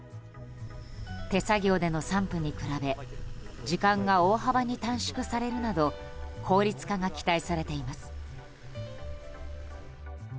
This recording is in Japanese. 手作業での散布に比べ時間が大幅に短縮されるなど効率化が期待されています。